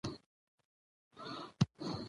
زه له سېل څخه سم پاته هغوی ټول وي الوتلي